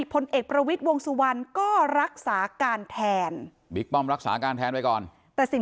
พลเอกประวิทย์วงสุวรรณก็รักษาการแทนบิ๊กป้อมรักษาการแทนไว้ก่อนแต่สิ่ง